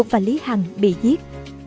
và lý hằng bị giết